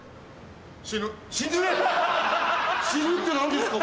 死ぬ⁉死ぬって何ですか？